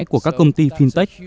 của các công ty fintech